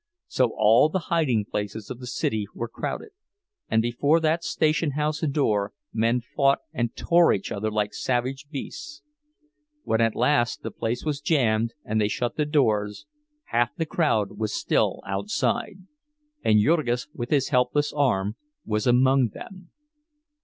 So all the hiding places of the city were crowded, and before that station house door men fought and tore each other like savage beasts. When at last the place was jammed and they shut the doors, half the crowd was still outside; and Jurgis, with his helpless arm, was among them.